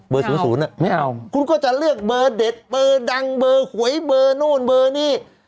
เบอร์๐๐น่ะคุณก็จะเลือกเบอร์เด็ดเบอร์ดังเบอร์หวยเบอร์โน้นเบอร์นี่